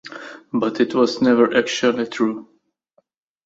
But it was never actually true’.